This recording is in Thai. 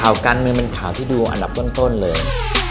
ข่าวการเมืองเป็นข่าวที่ดูอันดับต้นเลย